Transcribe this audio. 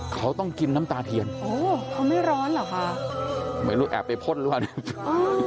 เขาต้องกินน้ำตาเทียนโอ้เขาไม่ร้อนเหรอคะไม่รู้แอบไปพ่นหรือเปล่าเนี่ย